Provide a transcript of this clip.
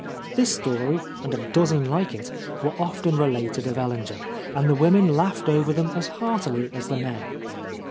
This story and a dozen like it were often related of Ellinger, and the women laughed over them as heartily as the men.